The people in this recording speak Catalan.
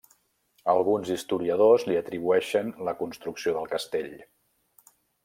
Alguns historiadors li atribueixen la construcció del castell.